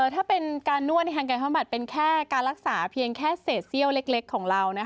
ถ้าเป็นการนวดในทางกายภาพบัตรเป็นแค่การรักษาเพียงแค่เศษเซี่ยวเล็กของเรา